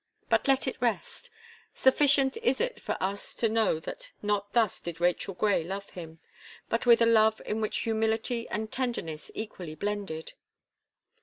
But let it rest. Sufficient is it for us to know that not thus did Rachel Gray love him, but with a love in which humility and tenderness equally blended.